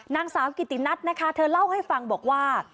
นางสาวกิตินัทนะคะเธอเล่าให้ฟังบอกว่า